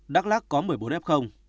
đắk lắc có một mươi bốn f